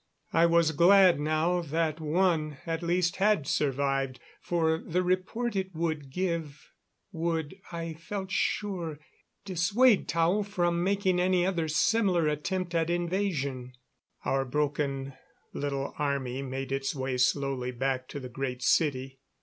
I was glad now that one, at least, had survived, for the report it would give would, I felt sure, dissuade Tao from making any other similar attempt at invasion. Our broken little army made its way slowly back to the Great City.